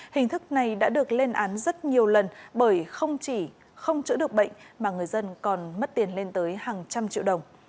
hình thức này đã được lên án rất nhiều lần bởi không chỉ không chữa được bệnh mà người dân còn mất tiền lên tới hàng trăm triệu đồng